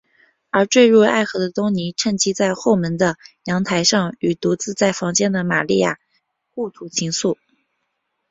而坠入爱河的东尼趁机到后门的阳台上与独自在房间的玛利亚互吐情愫。